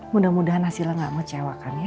mudah mudahan hasilnya gak mau cewakan ya